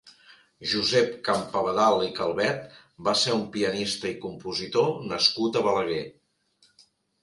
Josep Campabadal i Calvet va ser un pianista i compositor nascut a Balaguer.